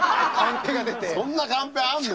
そんなカンペあんの？